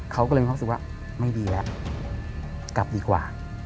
เขาก็เลยมีความรู้สึกว่าไม่ดีแล้วกลับดีกว่า